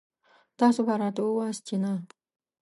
تاسو به راته وواياست چې نه.